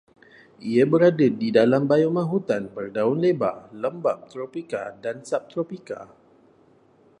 Ia berada dalam bioma hutan berdaun lebar lembap tropika dan subtropika